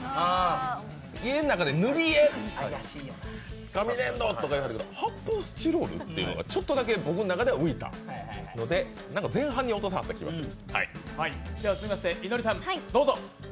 家の中で塗り絵、紙粘土って出たけど発泡スチロール？っていうのがちょっとだけ僕の中で浮いたので前半に落とさはった気がする。